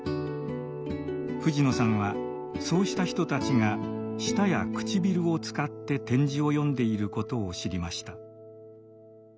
藤野さんはそうした人たちが舌や唇を使って点字を読んでいることを知りました。